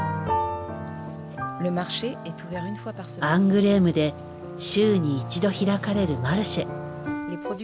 アングレームで週に１度開かれるマルシェ。